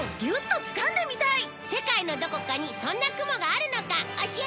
世界のどこかにそんな雲があるのか教えて！